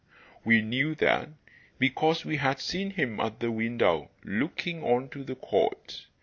We knew that, because we had seen him at the window looking on to the court.